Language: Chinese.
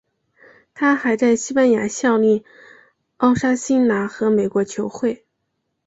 他还在西班牙效力奥沙辛拿和美国球会。